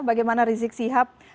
bagaimana risik sihab